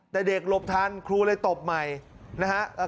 แต่เด็กหลบทันครูเลยตบใหม่นะฮะ